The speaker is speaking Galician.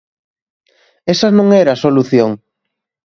Esa non era a solución.